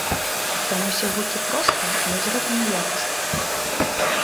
Там усе гукі простыя, але зроблена якасна.